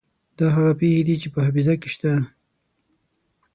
دا هغه پېښې دي چې په حافظه کې شته.